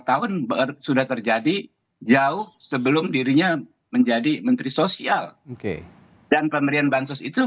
tahun baru sudah terjadi jauh sebelum dirinya menjadi menteri sosial dan pemberian bansos itu